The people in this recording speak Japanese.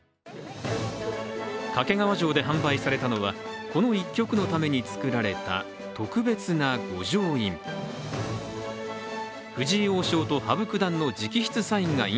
掛川城で販売されたのは、この１局のために作られた特別な御城印。